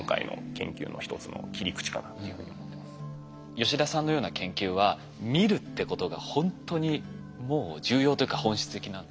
吉田さんのような研究は見るってことがほんとにもう重要というか本質的なんですね。